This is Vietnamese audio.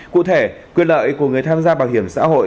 cụ thể quyền lợi của người tham gia bảo hiểm xã hội